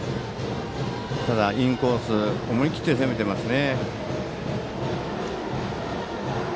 ただ、インコース思い切って攻めてますよ。